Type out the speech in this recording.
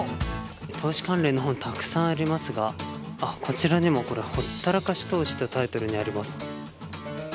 投資関連の本たくさんありますが、こちらにもほったらかし投資というタイトルがあります。